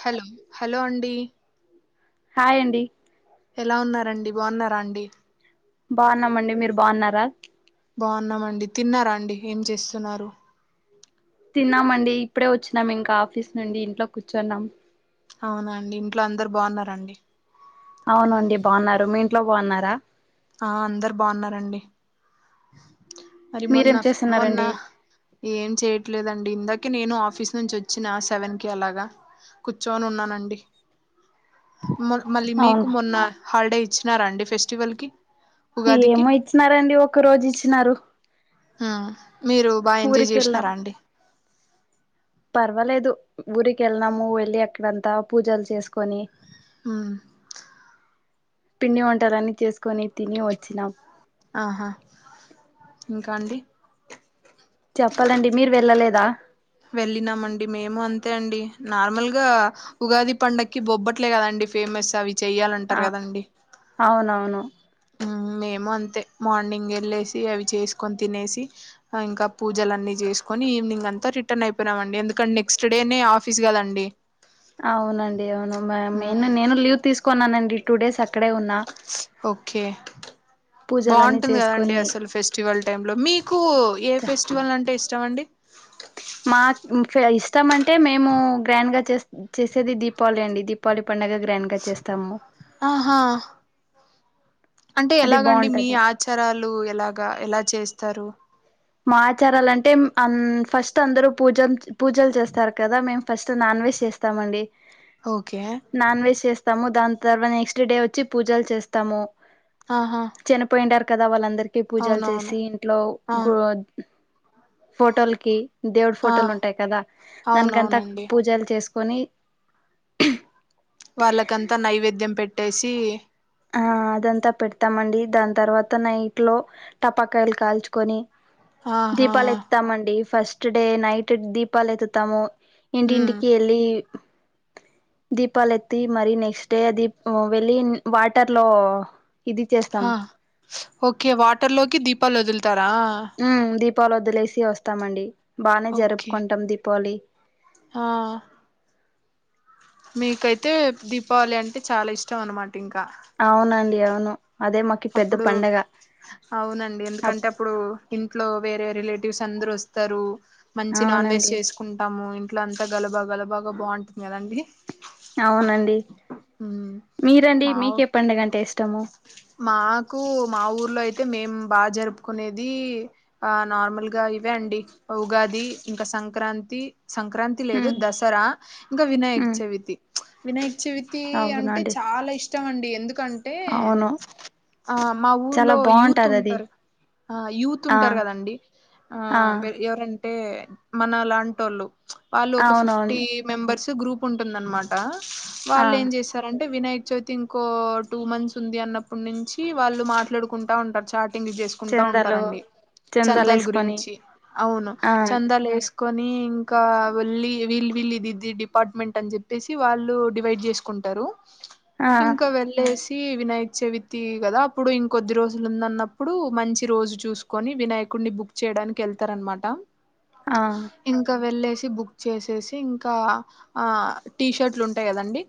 Hello hello అండి hi అండి ఎలా ఉన్నారండి బాగున్నారా అండి బాగున్నామండి మీరు బాగున్నారా బాగున్నామ అండి తిన్నారా అండి ఏం చేస్తున్నారు తిన్నామండి ఇప్పుడే వచ్చినాం ఇంకా ఆఫీస్ నుండి ఇంట్లో కూర్చున్నాం అవునా అండి ఇంట్లో అందరు బాగున్నడి అవునండి బాగున్నారు మీ ఇంట్లో బాగున్నారా ఆ అందరు బాగున్నారండి మరి మొన్న మీరేం మొన్న చేస్తున్నారండి ఏం చేయట్లేదండి ఇందాక అే నేను ఆఫీస్ నుంచి వచ్చిన సెవెన్ కి అలాగా కూర్చోని ఉన్నానండి మళ్ళీ అవును మీకు మొన్న హాలిడే ఇచ్చిన న్నారా అండి ఫెస్టివల్కి ఏమో ఇచ్చినారండి ఒక రోజు ఇచ్చ చినారు ఆ మీరు బాగా ఎంజాయ్ వెళ్ళాం చేసినారా అండి పర్వాలేదు ఊరికి వెళ్ళనాము వెళ్ళి అక్కడంతా పూజలు చేసుకొని అ పిండి వంటారని చేసుకొని తిని వచ్చినాం ఆహా ఇంకా అండి చెప్పాలండి మీరు వెళ్ళలేదా వెళ్ళినామండి మేము అంతే అండి నార్మల్గా ఉగాది పండకి బొబ్బట్లే కదండి ఫేమస్ అవి ఆ చెయ్యాలంటారు కదండి అవునవును మ్ మేము అంతే మార్నింగ్ వెళ్ళేసి అవి చేసుకొని తినేసి ఇంకా పూజలు అన్నీ చేసుకొని ఈవినింగ్ అంతా రిటర్న్ అయిపోయినామండి ఎందుకంటే నెక్స్ట్ డేనే ఆఫీస్ కదండి అవునండి అవును నేను మ్ నేను లీవ్ తీసుకు కొన్నానండిూ డేస్ అక్కడే ఉన్నా ఓకే పూజలన్నీ బాగుంటుంది కదండి చేసుకొని అసలు ఫెస్టివల్ టైమ్ లో మీకు ఏ ఫెస్టివల్ అంటే ఇ చవడి ఇస్తాం అంటే మేము గ్రాండ్గా చే చేసేది దీపావళి అండి దీపావళి పడుగ గ్రాండ్గా వచ్చేస్తాము ఆహా అంటే ఎలాగండి మీ ఆచారాలు ఎలాగా ఎలా చేస్త తరు మా ఆచారాలంటే ఫస్ట్ అందరు పూజ పూజలు చేస్తారు కదా మేము ఫస్ట్ నాన్ వెజ్ చేస్తామండి ఓకే నాన్ వెజ్ చేస్తాము దా తర్వాత నెక్స్ట్ డే వచ్చి పూజలు చేస్తాము ఆహా చిన్నపోయింటకి కదా వాళ్ళంద రికి పూజలు అవునవును చేసి ఇంట్లో ఆ గుళ్ళొ ఫోటోలకి దేవుడు ఆ ఫోటోలు ఉంటాయి కదా దానికంతా అవునవునండి పూజలు చేసుకు కొనీ వాళ్ళకంతా నైవేద్యం పెట్టి ట్టేసి ఆ అదంతా పెడతామండి దాని తర్వాత నైట్ లో టపాకాయలు కాల్చుకొని ఆహా దీపాలు ఎత్తుతామండి ఫస్ట్ నస్ట్ డే నైట్ దీపాలు ఎత్తుతాము ఇంటి హ్మ్ ఇంటికీ ఎళ్ళీ దీపాలు ఎత్తి మరి నెక్స్ట్ డే అ దీప్ వెళ్ళి వాటర్ లో ఇది చేస్తాం హి ఓకే వాటర్ లోకి దీపాలు వదులుత తర పలు వద్దలేసి వస్తామండి బానే ఓకే జరుపుకుంటాం దీప్ పోలి ఆ... మీకైతే దీపావళి అంటే చాలా ఇష్టం అనమాట ఇంకా అవునండి అవును అదే మాకి పెద్ద అప్పుడు పండగ అవునండి అప్ ఎందుకంటే అప్పుడు ఇంట్లో వేరే రిలేటివ్స్ అందరూ వస్తారు మంచి నాన్ వెజ్ అవునండి చేసుకుంటాము ఇట్ల అంతా గలబా గలబాగా బావుంటుంది కదండి అవునండి హ్మ్ మీరండి మా మీకె పండగంటే ఇష్టము మాకు మా ఊర్లో అయితే మేం బాగా జరుపుకునేది ఆ నార్మల్గా ఇవే అండి ఉగాది ఇంకా సంక్రాంతి సంక్రాంతి లేదు ఉమ్ దసరా ఇంకా వినాయక ఉమ్ చవితి వినాయక చవితి అంటే అవునండి చాలా ఇష్టం అండి ఎందు కంటే అవును ఆ మా చాలా ఊర్లో యూత్ బాగుంటది అది ఉంటరు ఆ యూత్ ఆ ఉంటారు కదండి ఆ ఆర ఎవర టే మన లాంటోళ్ళు వాళ్ళు ఒక అవునవును ఫిఫ్టీ మెంబర్స్ గ్రూప్ ఉంటుందన్మాట ఆ వాళ్ళు ఏం చేస్తారంటే వినాయక చవితి ఇంకో టూ మంత్స్ ఉంటుంది అన్నప్పటి నుంచి వాళ్ళు మాట్లాడుకుంటా ఉంటారు చాట్ టింగ్ చేసుకుంటా చందాలు ఉంటారండి చందాలు చందాల్ వేసుకొని గురించి అవును ఆ చందాల్ వేసు కొని ఇంకా వళ్ళీ వీళ్ళు వీళ్ళు ఇది ఇది డిపార్ట్మెంట్ అని చెప్పేసి వాళ్ళు డివైడ్ చేసుకుంటారు ఆ ఇంక వెళ్ళేసి వినాయకచవితి కదా అప్పుడు ఇంకొద్ది రోజులు ఉందన్నప్పుడు మంచి రోజు చూసుకొని వినాయకుడిని బుక్ చేయడానికి ఎళ్తారన్నమాట ఆ ఇంక వెళ్ళే సి బుక్ చేసేసి ఇంకా ఆ టీషర్ట్లు ఉంటయి కదండి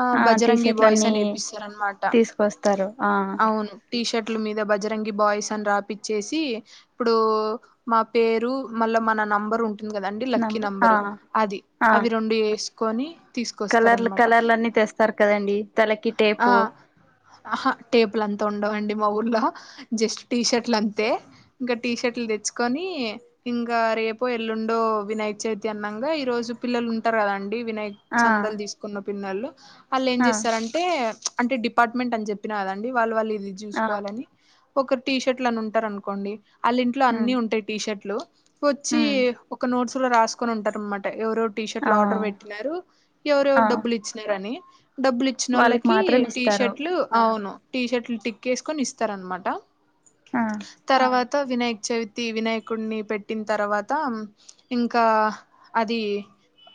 ఆ బజరంగి బాయ్స్ అనేపిస్తారనమాట వస్తరు ఆ టీ షర్ట్ల మీద బజరంగి బాయ్స్ అని రాపిచ్చేసి ఇప్పుడు మా పేరు మళ్ళ మన నంబర్ ఉం టుంది కదండి లక్కీ నంబర్ ఆ నెంబరు అది ఆ అవి రెండు ఏసి కొని కలర్లు కలర్లు. అన్ని తెస్తారు కదండి తలకి ఆ టేపు ఆహా టేపులు అంతా ఉండవుండి మా ఊర్లో జస్ట్ టీ షర్ట్లు అంతే ఇంకా టీ షర్ట్లు తెచ్చుకొని ఇంకా రేపో ఎల్లుండో వినాయ చవితి అన్నంగా ఈ రోజు పిల్లలు ఉంటారు కదండి వినాయక్ ఆ చందలు తీసుకున్న పిన్నళ్లు వాళ్ళు ఏం ఆ చేస్తారంటే అంటె డిప్ అపార్ట్మెంట్ అని చెప్పినదండి వాళవళ్ళు లని ఆ చూసుకోవాలని ఒకర్ టీ షర్ట్లని ఉంటార్ అనుకోండి ఆళ్ళ ఇంట్లో ఉమ్ అన్ని ఉంటయి టీ షర్ట్లు వచ్చీ ఉమ్ ఒక నోట్స్ లో రాసుకోని ఉంటారన్నమాట ఎవర్ టీ షర్ట్లు ఆ ఆర్డర్ పెట్టినారు ఆ ఎవరెవరు డబ్బులు ఇచ్చినరని డబ్బులు వాళ్ళకి ఇచ్చినోళ్ళకి మాత్రం టి ఇస్తారు షట్లు అవును టీ షర్ట్లు టిక్ ఏసుకొని ఇస్తారన్మాట ఆ తర్వాత త్త వినాయక్ చవితి వినాయకుడిని పెట్టిన్తర్వాత ఇంకా అదీ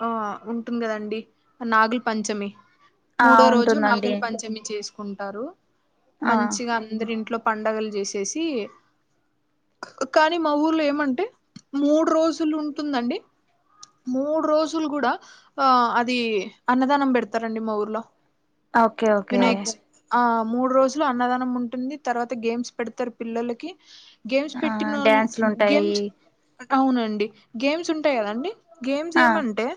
ఆ ఉంటుంది కదండి నాగుల్ పంచమి ఆ ఉంటుందండి చేసుకుంటారూ ఆ మంచిగా అందరి ఇంట్లో పండగలు చేసేసి కానీ మా ఊర్లో ఏమంటే మూడు రోజులు ఉంటుందండి మూడు రోజులు కూడా ఆ అది అన్నదానం పెడతారండి మా ఊర్లో ఓకె ఓకే వినాయక్ ఆ మూడు రోజులు అన్నదానం ఉంటుంది తర్వాత గేమ్స్ పెడతారు పిల్లలకి గేమ్స్ ఆ పెట్టినోళ్ళు డ్యాన్సులు ఉంటాయి గేమ్స్ అవునండి గేమ్స్ ఉంటాయి కదండి గేమ్స్ ఆ ఏమ్మంటే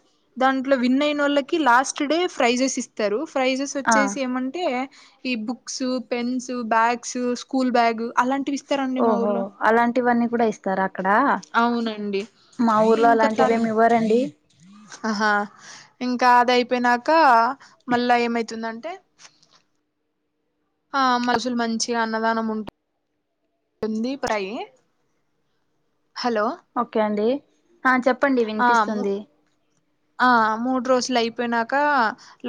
దాంట్లో విన్ అయిన వాళ్ళకి లాస్ట్ డే ఫ్రైజెస్ ఇస్తారు ఫ్రైజెస్ ఆ చ్చేసి ఏమంటే ఈ books pens bags school bag అలాంటివి ఇస్తారండి మా ఓహో ఊర్లో అలాంటివన్నీ కూడ ఇస్త్ తరా అక్కడ అవునండి మా ఊర్లో ఇంకా తర్ అలాంటివిమి ఇవ్వారంండి ఆహా ఇంకా అది అయిపోయినాక మళ్ళ ఏమైతుందంటే ఆ మనుషుల్ మంచిగ అన్నదానం ఉంటె ఎంది ప్రై హలో ఒకే అండీ ఆ చెప్పండి ఆ మూ వినిపిస్తుంది ఆ మూడు రోజులు అయిపోయినాక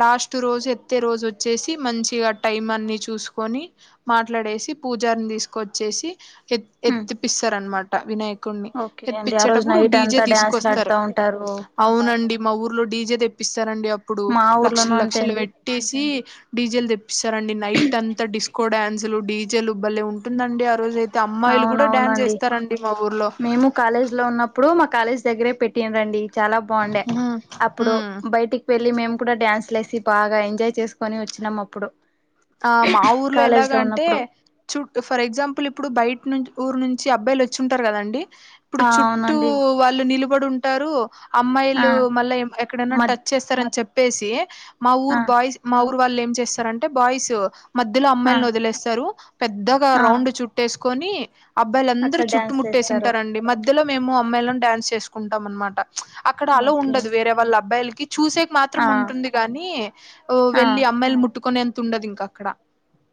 లాస్ట్ రోజు ఎత్తే రోజు వచ్చేసి మంచిగా టైం అన్ని చూసుకొని మాట్లాడేసి పూజని తీసుక వచ్చేసి ఎత్ ఉమ్ ఎత్తిపిస్తారనమాట వినాయక్ ఓకే అండి ఆ రోజు తెప్పించేటప్పుడు నైట్ డీజే అంతా డ్యాన్స్లు తీసుకొస్తారు ఆడుతా ఉంటారు అవునండి మా ఊర్లో డీజే తెప్పిస్తే డి అప్పుడు మా లక్షల ఊర్లోనూ అంతే లక్షలు అండి పెట్టే డీజెల్ తెప్పిస్తారండి నైట్ అంతా డిస్ డాన్సులు డీజెలు ఉబ్బల్లే ఉంటుందండి ఆ రోజు అయితే అమ్మాయిలు కుడ డాన్స్ అవునవునండి ఏస్తారండి మా ఊర్లొ మేము కాలేజ్ లో ఉన్నప్పుడు మా కాలేజ్ దగ్గరే పెట్ట్ టీమ్ రండి చాలా బాగుండె ఉమ్ అప్పుడు ఉమ్ బయటికి వెళ్ మళ్ళి మేము కూడా డ్యాన్స్ లేసి బాగా ఎంజాయ్ చేసుకొని వచ్చినం అప్పుడు ఆ మా ఊర్లొ కాలేజ్ ఎలాగ లో అంటే ఉన్నప్పుడు చుట ఫర్ ఎగ్జాంపుల్ ఇప్పుడు బయట నుంచి ఊరు నుంచి అబ్బాయిలు వచ్చి ఉంటారు కదండి ఇప్పుడు ఆ చుట్టూ అవునండి వాళ్ళు నిలుపు ఇప్పుడు ఉంటారు అమ్మాయిలు ఆ మళ్ళా ఎక్కడైనా మద్ టచ్ చేస్తారని చెప్ప పెసి మా ఆ ఊరు బాయ్స్ మా ఊ వాళ్ళ ఏం చేస్తారంటే బాయ్స్ మధ్యలో ఆ అమ్మాయిని వదిలేస్తారు పెద్దగా ఆ రౌండ్ చుట్టే కొని అబ్బాయిల అందరు అక్కడ డ్యాన్స్లు చుట్టుముట్టేసి ఏస్తారు ఉంటారండి మ్య మధ్యలో మేము అమ్మాయిలను డ్యాన్స్ చేసుకుంటాం అనమాట అక్కడ అలా ఓకే ఉండదు వేరే వాళ్ళ అబ్బాయిలకి చూసేకి మాత్రం ఆ ఉంటుంది గాని ఆ వెళ్ళి అమ్మాయిలు ముట్టుకు కోనేంత తుండదు ఇంకా అక్కడ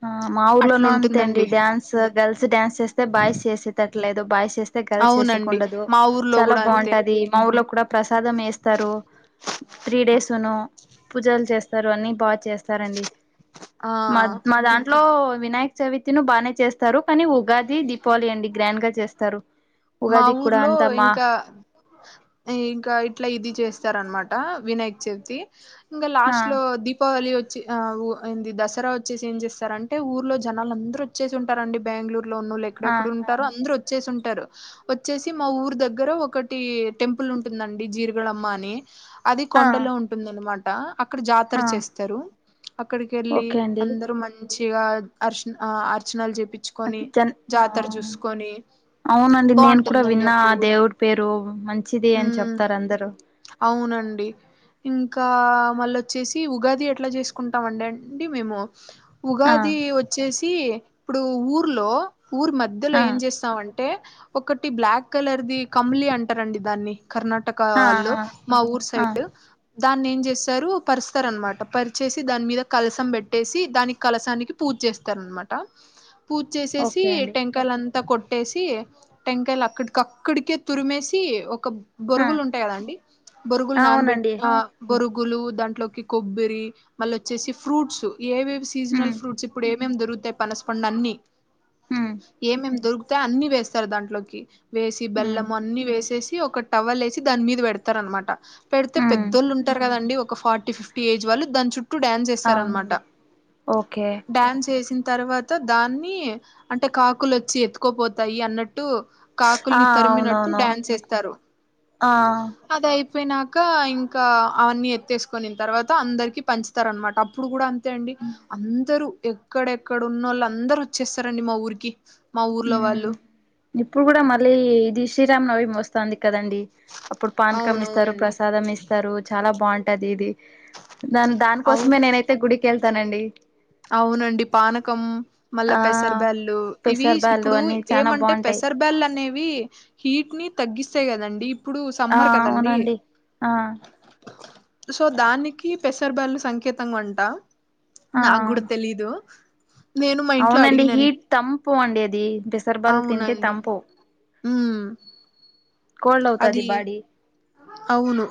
ఆ మా ఊర్లోనూ అంతే అండి అట్లుంటుందండి డ్యాన్స్ గర్ల్స్ డ్యాన్స్ చేస్తే బాయ్స్ చేసేట ఇట్లేదో భాష చేస్తే గల్స్ అవునండి చేసేకుండదు మా ఊర్లో చాలా కూడా అంతే బాగుంటది మా ఊర్లో కూడా ప్రసాదం వేస్తారు త్రీ డేస్ పూజలు చేస్తారు అన్ని బాగా చేస్తారండి ఆ మా మా దాంట్లో ఇంకా వినాయ వినాయక చవితిను బాగానే చేస్తారు కానీ ఉగాది దీపావళి అండి గ్రాండ్ గా చేస్తారు మా ఉగాది కూడా ఊర్లో అంతా మా ఇంకా ఇంకా ఇట్లా ఇది చేస్త ఇస్తారనమాట వినాయక్ చవితి ఇంకా ఆ లాస్ట్ లో దీపావళి వచ్చ ఏంది దసరా వచ్చే ఏం చేస్తారు అంటే ఊర్లో జనాలు అందరుూ వచ్చేసి ఉంటారండి బంగళూరు లోలు ఆ ఎక్కడెక్కడ ఉంటారో అందరు వచ్చేసి ఉంటారు అంటారు వచ్చేసి మా ఊరు దగ్గర ఒకటి టెంపుల్ ఉంటుందండి జీర్గళమ్మ అని అది ఆ ఆ కొండలో ఉంటుంది అనమా ట అక్కడ జాతర ఆ చేస్తరు అక్కడికెళ్ళి ఓకే అండి అందరు మం చ్చిగా అర్స్ అర్చనలు చెప్ ప్పిచ్చుకొని అది జన్ ఆ జాతర జూసుకొని అవునండి నేను కూడా విన్నా ఆ దేవుడి పేరు మంచిది అని ఉమ్ చెప్తారు అందరూ అవునండి ఇంకా మళ్ళొచ్చేసి ఉగాది ఎట్లా చేసుకుంటాం అండి అండి మేము ఆ ఉగాది వచ్చేసి సి ఇప్పుడు ఊర్లో ఊరి మధ్యలో ఆ ఏం చేస్తామం టే ఒకటి బ్లాక్ కలర్ ది కమ్లీ అంటారండి దాన్ని కర్ణటక ఆ వాల్లో ఆ మా ఊరూ ఆ సైడ్ దాన్ని ఏం చేస్తారు పరుస్తార్ అనమాట పరిచేసి దాని మీద కలసం పెట్టేసి దానికి కలసానికి పూజ చేస్తార అనమాట పూజ చేసేసి ఓకే అండి టెంకాయలు అం త్త కొట్టేసి టెంకాయలు అక్కడికి అక్కడికే తురిమేసి ఒక్ ఒక ఆ బొరుగులు ఉంటాయి కదండి బొరుగులు నానబెట్టి అవునండి ఆ బొరుగు గులు దాంట్లోకి కొబ్బరి మళ్ళ వచ్చేసి ఫ్రూట్స్ ఏ వే సీజనల్ ఉమ్ ఫ్రూట్స్ ఇప్పుడు ఏ మేం దొరుకుతాయి పనసు పండు అన్ని ఉమ్ ఏమేం దొరుకు ద అన్ని వేస్ త్తారు దాంట్లోకి వేసి ఉమ్ బెల్లం అన్ని వేసేసి కి ఒక టవల్ వేసి దాని మీద పెడతారు అన్నమాట పెడితే ఉమ్ పెద్దోళ్ళు ఉంటారు కదండి ఒక ఫార్టీ ఫిఫ్ టీ ఏజ్ వాళ్ళు దాని చుట్ ట్టు డాన్స్ ఏస్తారు అన్నమాట అవునండి ఓకే డాన్స్ ఏసిన తర్వాత దాన్ని అంటే కాకులు వచ్చి ఎత్తుకోపోతాయి అన్నట్ టు ఆ కాకుల్ని తరిమినట్టు అవునవును డ్యాన్స్ వేస్తారు ఆ పోయినాక ఇంకా అవన్నీ ఎత్తేసుకుని తర్వాత అందరికి పంచుతారు అన్నమాట అప్పుడు కూడా అండి అందరూ ఎక్కడెక్కడ ఉన్న వాళ్ళు అందరు వచ్చేస్తారండి మా ఊరికి మా ఊర్లో వాళ్ళు ఇప్పుడు కూడా మళ్ళీ ఇది శ్రీరామ్ నవి వస్తుంది కదండి అప్పుడు పానకం ఇస్తారు అవునవునండి ప్రసాదం ఇస్తారు చాలా బాగుంట దీదది నా అవు దానికోసమే నేనైతే గుడికి క వెళ్తానండి అవునండి పానకం మళ్ళా ఆ పెసర బ్యాల్ళు ఇవి పెసర్ బ్యాళ్ళు ఇప్పుడు అన్ని చానా ఏమంటే బాగుంటాయి పెసర్ బ్యాల్ అనేవి హీట్ ని తగ్గిస్తాయి కదండి ఇప్పుడు ఆ సమ్మర్ కదండి అవునండి ఆ సో దానికి పెసర బ్యాళ్లు సంకేతంగా ఉంటా ఆ నా గుడ తెలిదు అవునండి హీట్ తంపు అండి అది పెసర బ్యాళ్ళు తింటే అవునండి తంపు ఉమ్ కోల్డ్ అవుతాది అది బాడీ అవును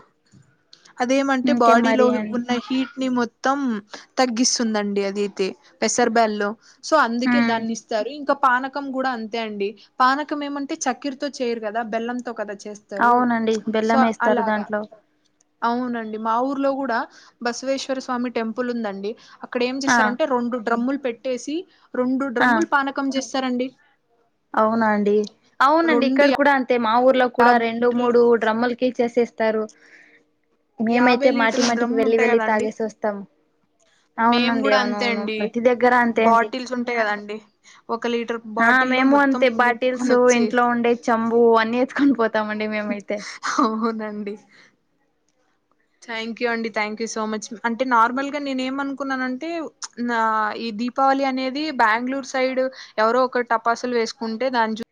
అదేమంటే ఇంకే బాడీలో మరి అండి ఉన్న హీట్ ని మొత్త మొత్తం తగ్గిస్తుందండి అదియితే పెసర్ బ్యాల్ లో సో అందుకే ఉమ్ దాన్ని ఇస్తారు ఇంకా పానకం కూడా అంతే అండి పానకం ఏమంటే చక్కిరి తో చేయరు కదా బెల్లం కద అవునండి సో బెల్లం వేస్తారు అలగా దాంట్లో అవునండి మా ఊ లో కూడా బసవేశ్వర స్వామి టెంపుల్ ఉందండి ఇక్కడం ఏం ఆ చేశారంటేె రెండు డ్రమ్ములు పెట్టేసి రెండు డ్రమ్ములు పానకం చేస్త స్తరండి అవునండి అవునండి రెండు ఇక్కడ కూడా అంతే అయితే మా ఊర్లో కూడా యాబ్ రెండు మూడు డ్రమ్ముల క చేేసేస్త ఇస్తారు యాభై మేమైతే మాటి లీటర్ల మాటికి వెళ్లి వెళ్ళి తాగేసి వస్తాము మేమ్ అవునండి కూడా అంతే అవునవును అండి ప్రతి దగ్గర అంతే అండి బాటిల్స్ ఉంటాయి కదండి ఒక లీటర్ ఆ బాటిల్ మేము అంతే బాటిల్స్ ఇంట్లో ఉండే చంబు అన్ని ఖంపోతే అవునండి థ్యాంక్ యూ అండి థ్యాంక్ యూ సో మచ్ అంటే నార్మల్గా నేను ఏమ అనుకున్నానంటే నా ఈ దీపావళి అనేది బెంగళూరు సైడ్ ఎవరో ఒక టపాసులు వేసుకుంటే దాని చూ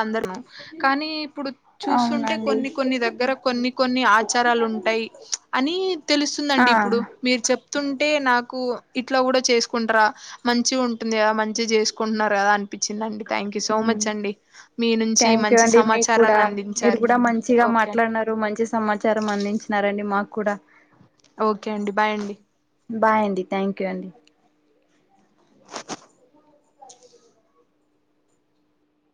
సందర్భం కానీ ఇప్పుడు చూస్తుంటే అవునండి కొన్ని కొన్ని దగ్గర కొన్ని కొన్ని ఆచారాలు ఉంటాయి అని ఆ తెలుస్తుందండి ఇప్పుడు మీరు చెప్ తుంటే నాకు ఇట్లా కూడా చేసుకుంటార మంచి ఉంటుంది కదా మంచిగా చేసుకుంటున్నారు కదా అనిపించిందిండి thank you so hmm much అండి మీ నుంచి థ్యాంక్ యూ మంచి అండి మీకు కూడా సమాచారాన్ని మీరు అందించారు కూడా మంచిగా ఓకే మాట్లాడిన మంచి సమాచారం అందించినారండి మా కూడా ఓకే అండి బాయ్ అండి బాయ్ అండి థ్యాంక్ యూ అండి